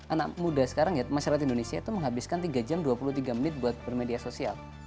anak muda sekarang ya masyarakat indonesia itu menghabiskan tiga jam dua puluh tiga menit buat bermedia sosial